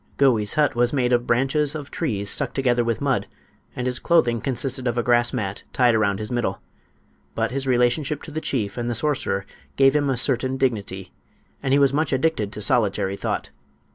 Gouie's hut was made of branches of trees stuck together with mud, and his clothing consisted of a grass mat tied around his middle. But his relationship to the chief and the sorcerer gave him a certain dignity, and he was much addicted to solitary thought.